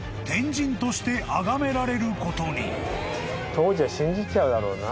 当時は信じちゃうだろうな。